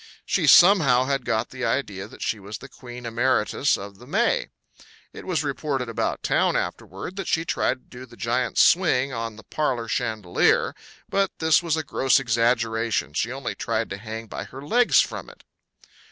She somehow had got the idea that she was the queen emeritus of the May. It was reported about town afterward that she tried to do the giant swing on the parlor chandelier. But this was a gross exaggeration; she only tried to hang by her legs from it.